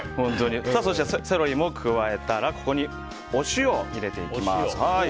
そして、セロリも加えたらお塩を入れていきます。